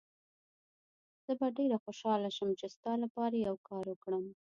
زه به ډېر خوشحاله شم چي ستا لپاره یو کار وکړم.